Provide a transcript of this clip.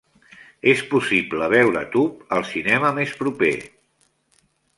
És possible veure Tube al cinema més proper.